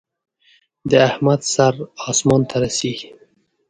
د احمد سر اسمان ته رسېږي.